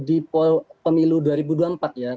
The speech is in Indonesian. di pemilu dua ribu dua puluh empat ya